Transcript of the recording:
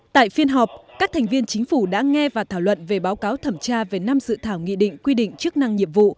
tại phiên họp các thành viên chính phủ đã nghe và thảo luận về báo cáo thẩm tra về năm dự thảo nghị định quy định chức năng nhiệm vụ